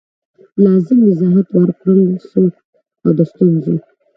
لازم وضاحت ورکړل سو او د ستونزو